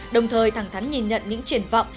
đồng thời thẳng thắn nhìn nhận những triển vọng